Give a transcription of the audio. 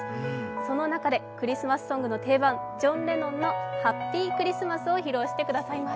その中でクリスマスソングの定番、ジョン・レノンの「ハッピー・クリスマス」を披露してくださいます。